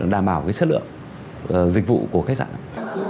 đảm bảo chất lượng dịch vụ của khách sạn